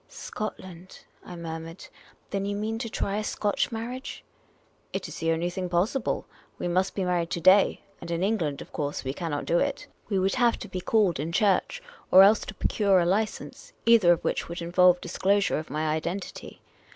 " Scotland ?" I murmured. " Then you mean to try a Scotch marriage ?" "It is the only thing possible. We must be married to day, and in England, of course, we cannot do it. We would have to be called in church, or else to procure a license, either of which would involve disclosure of my identity.